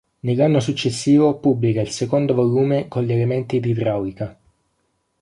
Nell'anno successivo pubblica il secondo volume con gli elementi d'idraulica.